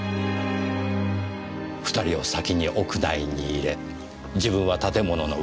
２人を先に屋内に入れ自分は建物の裏手に回って。